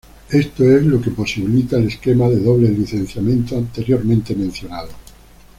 Esto es lo que posibilita el esquema de doble licenciamiento anteriormente mencionado.